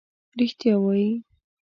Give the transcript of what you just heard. رښتیا وایې.